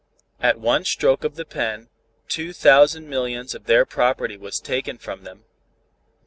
At one stroke of the pen, two thousand millions of their property was taken from them.